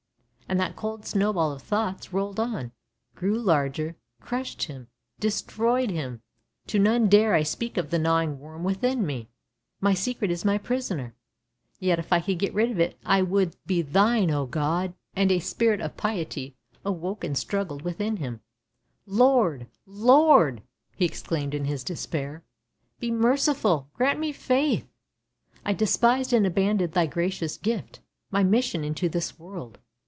" And that cold snowball of thoughts rolled on, grew larger, crushed him, destroyed him. " To none dare I speak of the gnawing worm within me; my secret is my prisoner. Yet if I could get rid of it, I would be Thine, O God! " H ii4 ANDERSEN'S FAIRY TALES And a spirit of piety awoke and struggled within him. " Lord, Lord! " he exclaimed in his despair. " Be merciful, grant me faith! I despised and abandoned Thy gracious gift — my mission into this world.